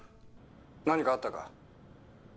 「何かあったか？」